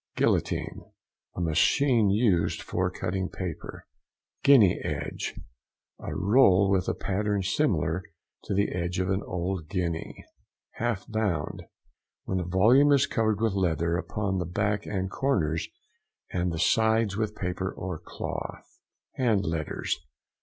GUILLOTINE.—A machine used for cutting paper. GUINEA EDGE.—A roll with a pattern similar to the edge of an old guinea. HALF BOUND.—When a volume is covered with leather upon the back and corners; and the sides with paper or cloth. HAND LETTERS.